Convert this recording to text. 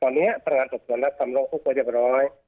ตอนนี้พนักงานสอบสวนรับคำร้องทุกข์ไว้เรียบร้อย